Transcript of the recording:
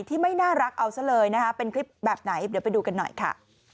ที่ไม่น่ารักเอาซะเลยนะคะเป็นคลิปแบบไหนเดี๋ยวไปดูกันหน่อยค่ะ